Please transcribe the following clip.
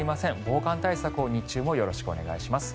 防寒対策を日中もよろしくお願いします。